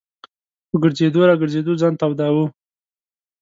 په ګرځېدو را ګرځېدو ځان توداوه.